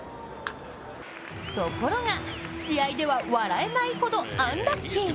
ところが、試合では笑えないほどアンラッキー。